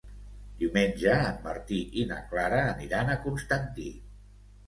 Diumenge en Martí i na Clara aniran a Constantí.